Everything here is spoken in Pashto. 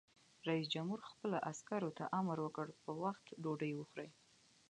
رئیس جمهور خپلو عسکرو ته امر وکړ؛ په وخت ډوډۍ وخورئ!